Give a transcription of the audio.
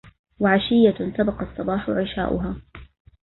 وعشية سبق الصباح عشاءها